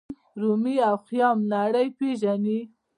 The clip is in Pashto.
رومي او خیام نړۍ پیژني.